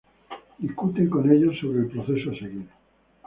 Discuten con ellos sobre el proceso a seguir.